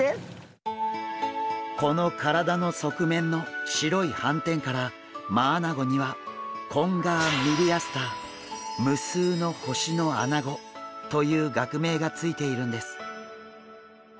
この体の側面の白い斑点からマアナゴには「無数の星のアナゴ」という学名が付いているんです。